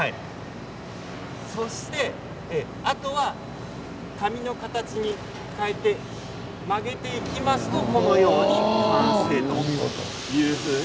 そしてあとは髪の形に曲げていきますと、このように完成ということに。